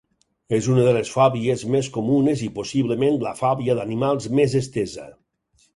És una de les fòbies més comunes i possiblement la fòbia d'animals més estesa.